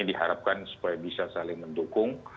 diharapkan supaya bisa saling mendukung